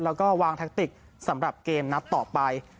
แล้วก็วางแท็กติกสำหรับเกมนัดต่อไป